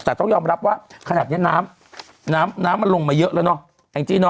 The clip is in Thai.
แต่ต้องยอมรับว่าขนาดนี้น้ำน้ำมันลงมาเยอะแล้วเนอะแองจี้เนอ